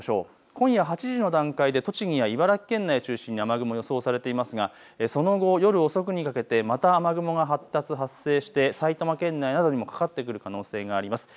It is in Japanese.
今夜８時の段階で栃木や茨城県内を中心に雨雲が予想されていますがその後、夜遅くにかけてまた雨雲が発達、発生して埼玉県内などにもかかってくる可能性があります。